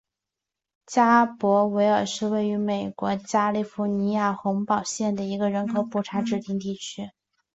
加伯维尔是位于美国加利福尼亚州洪堡县的一个人口普查指定地区。